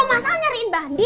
masa nyariin bandit